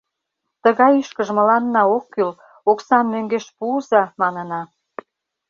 Тыгай ӱшкыж мыланна ок кӱл, оксам мӧҥгеш пуыза, манына.